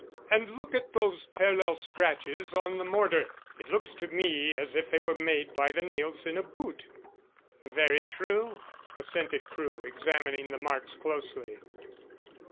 "And look at those parallel scratches on the mortar. It looks to me as if they were made by the nails in a boot." "Very true," assented Crewe, examining the marks closely.